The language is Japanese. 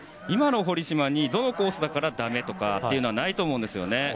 今の堀島にどのコースだからだめというのはないと思うんですね。